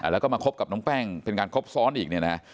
แล้วก็มาคบกับน้องแป้งเป็นการคบซ้อนอีกเนี่ยนะ